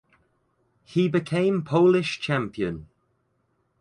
He became Polish champion.